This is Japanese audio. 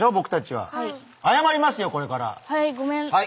はい。